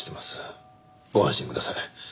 ご安心ください。